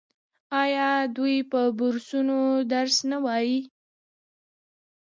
آیا دوی په بورسونو درس نه وايي؟